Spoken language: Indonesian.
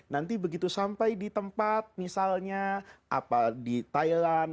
nanti begitu sampai di tempat misalnya apa di thailand